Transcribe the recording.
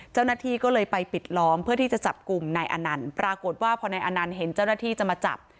เจ้าหน้าที่ก็เลยไปปิดล้อมเพื่อที่จะจับกลุ่มนายอนันต์ปรากฏว่าพอนายอนันต์เห็นเจ้าหน้าที่จะมาจับ